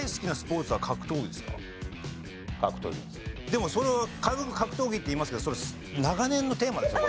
でもそれ軽く格闘技って言いますけどそれ長年のテーマですよ